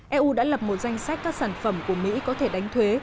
eu đã lập một danh sách các sản phẩm của mỹ có thể đánh thuế